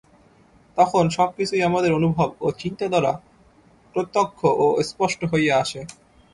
তখন সব কিছুই আমাদের অনুভব ও চিন্তা দ্বারা প্রত্যক্ষ ও স্পষ্ট হইয়া আসে।